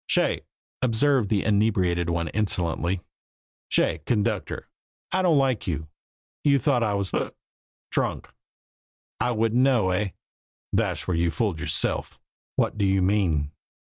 "Shay," observed the inebriated one insolently, "shay, conductor, I don't like you. You thought I was hic! s'drunk I wouldn't know eh? Thash where you fooled yerself!" "What do you mean?"